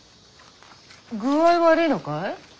具合悪いのかい？